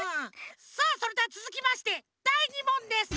さあそれではつづきましてだい２もんです。